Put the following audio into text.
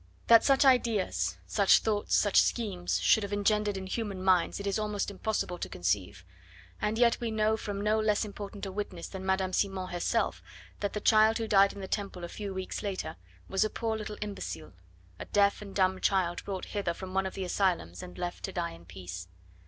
That such ideas, such thoughts, such schemes should have engendered in human minds it is almost impossible to conceive, and yet we know from no less important a witness than Madame Simon herself that the child who died in the Temple a few weeks later was a poor little imbecile, a deaf and dumb child brought hither from one of the asylums and left to die in peace.